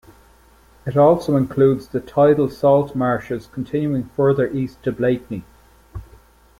It also includes the tidal salt marshes continuing further east to Blakeney.